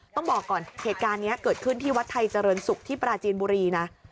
ต้องบอกก่อนเหตุการณ์นี้เกิดขึ้นที่วัดไทยเจริญศุกร์ที่ปราจีนบุรีนะ